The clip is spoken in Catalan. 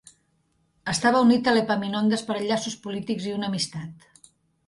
Estava unit a l"Epaminondas per enllaços polítics i una amistat.